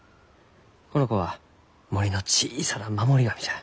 この子は森の小さな守り神じゃ。